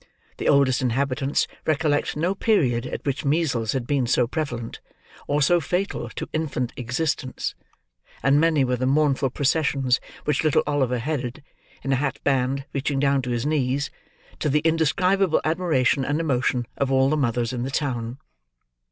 The oldest inhabitants recollected no period at which measles had been so prevalent, or so fatal to infant existence; and many were the mournful processions which little Oliver headed, in a hat band reaching down to his knees, to the indescribable admiration and emotion of all the mothers in the town.